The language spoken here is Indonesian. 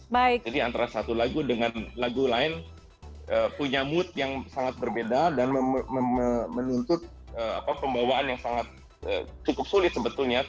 jadi antara satu lagu dengan lagu lain punya mood yang sangat berbeda dan menuntut pembawaan yang cukup sulit sebetulnya